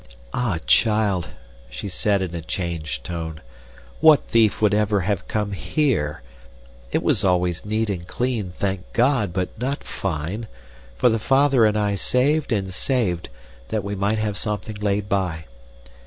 "Ah, child," she said in a changed tone, "what thief would ever have come HERE? It was always neat and clean, thank God, but not fine, for the father and I saved and saved that we might have something laid by.